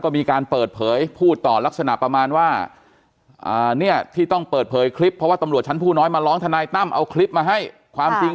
แต่ตอนนั้นเปิดเผยทางข้อความก่อน